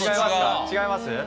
違います？